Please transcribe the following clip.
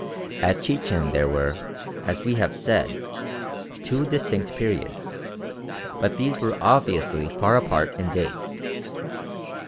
At Chichen there were, as we have said, two distinct periods, but these were obviously far apart in date.